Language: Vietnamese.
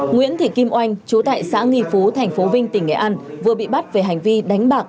nguyễn thị kim oanh chú tại xã nghi phú tp vinh tỉnh nghệ an vừa bị bắt về hành vi đánh bạc